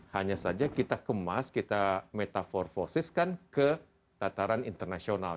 hanya saja kita kemas kita metaforfosiskan ke tataran internasional